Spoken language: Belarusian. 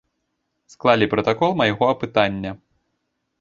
Склалі пратакол майго апытання.